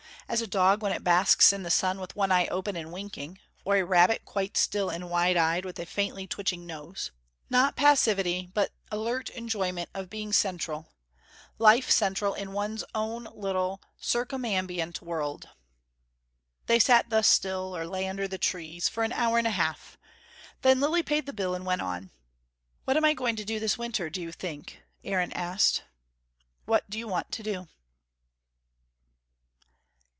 As a dog when it basks in the sun with one eye open and winking: or a rabbit quite still and wide eyed, with a faintly twitching nose. Not passivity, but alert enjoyment of being central, life central in one's own little circumambient world. They sat thus still or lay under the trees for an hour and a half. Then Lilly paid the bill, and went on. "What am I going to do this winter, do you think?" Aaron asked. "What do you want to do?"